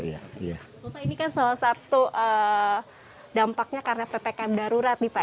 bapak ini kan salah satu dampaknya karena ppkm darurat nih pak